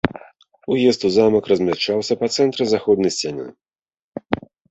Уезд у замак размяшчаўся па цэнтры заходняй сцяны.